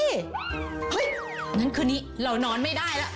เฮ้ยงั้นคืนนี้เรานอนไม่ได้แล้ว